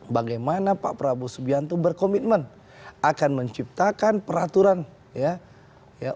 bagaimana pak prabowo subianto berkomitmen akan menciptakan peraturan ya